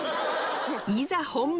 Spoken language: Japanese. いざ本番！